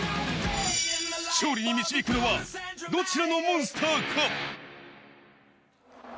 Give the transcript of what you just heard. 勝利に導くのはどちらのモンスターか？